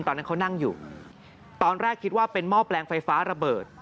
ตอนนั้นเขานั่งอยู่ตอนแรกคิดว่าเป็นหม้อแปลงไฟฟ้าระเบิด